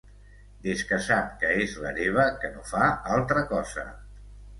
Des que sap que és l'hereva que no fa altra cosa.